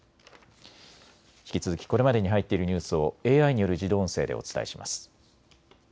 引き続きこれまでに入っているニュースをＡＩによる自動音声でお伝えします。